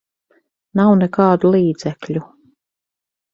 Nav nekādu līdzekļu.